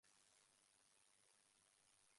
The Ven.